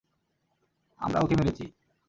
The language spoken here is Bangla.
আমরা ওকে মেরেছি।